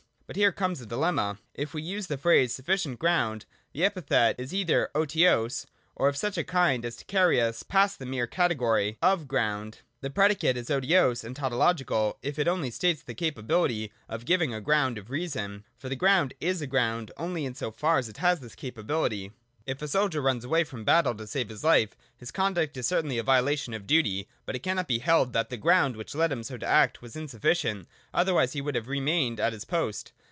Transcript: But here comes a dilemma. If we use the phrase ' sufficient ground,' the epithet is either otiose, or of such a kind as to carry us past the mere category of ground. The predicate is otiose and tautological, if it only states the capability of giving a ground or reason : for the ground is a ground, only in so far as it has this capa bility. If a soldier runs away from battle to save his life, his conduct is certainly a violation of duty : but it cannot be held that the ground which led him so to act was insuffi cient, otherwise he would have remained at his post.